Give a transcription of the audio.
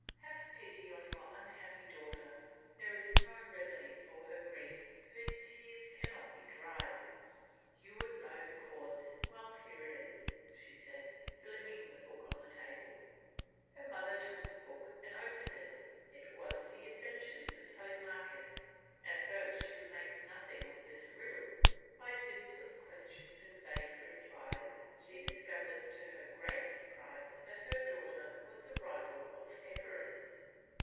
"Have pity on your unhappy daughter, there is no remedy for her grief, her tears cannot be dried. You would know the cause: well, here it is," said she, flinging the book on the table. Her mother took the book and opened it; it was The Adventures of Telemachus. At first she could make nothing of this riddle; by dint of questions and vague replies, she discovered to her great surprise that her daughter was the rival of Eucharis.